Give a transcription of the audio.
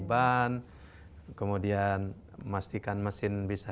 ban kemudian memastikan mesin bisa